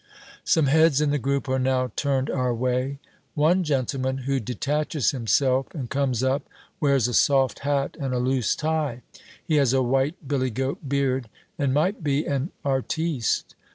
Some heads in the group are now turned our way. One gentleman who detaches himself and comes up wears a soft hat and a loose tie. He has a white billy goat beard, and might be an artiste.